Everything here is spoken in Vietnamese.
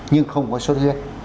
nhưng không có sốt huyết